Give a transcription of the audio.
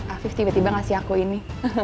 afif tiba tiba ngasih aku ini